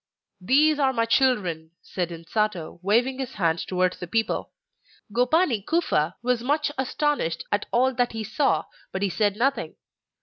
'These are my children!' said Insato, waving his hand towards the people. Gopani Kufa was much astonished at all that he saw, but he said nothing.